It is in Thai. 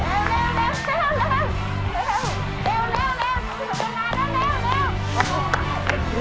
เร็วเร็วเร็วเร็วเร็ว